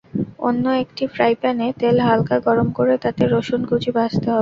অন্য একটি ফ্রাইপ্যানে তেল হালকা গরম করে তাতে রসুন কুচি ভাজতে হবে।